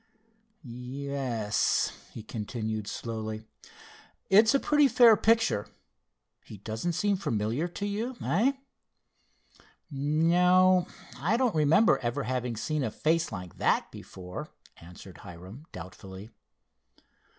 "Ye es," he continued slowly, "it's a pretty fair picture. He doesn't seem familiar to you; eh?" "No, I don't remember ever having seen a face like that before," answered Hiram, doubtfully.